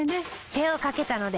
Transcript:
手をかけたので。